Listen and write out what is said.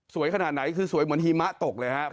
สวยขนาดไหนคือสวยเหมือนหิมะตกเลยฮะ